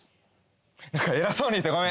なんか偉そうに言ってごめん。